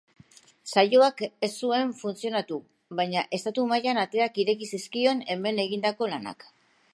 Saioak ez zuen funtzionatu baina estatu mailan ateak ireki zizkion hemen egindako lanak.